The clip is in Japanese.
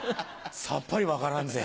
さっぱり分からんぜ。